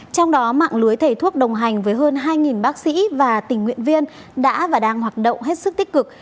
trong đó mạng lưới thầy thuốc đồng hành với hơn hai bác sĩ và tình nguyện viên đã và đang hoạt động hết sức tích cực